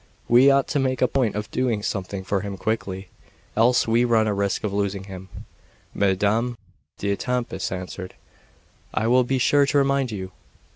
We ought to make a point of doing something for him quickly, else we run a risk of losing him." Madame d'Etampes answered: "I will be sure to remind you."